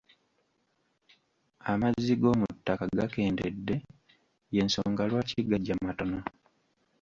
Amazzi g'omu ttanka gakendedde ye nsonga lwaki gajja matono.